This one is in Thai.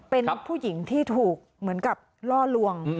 เป็นผู้หญิงที่ถูกเหมือนกับล่อลวง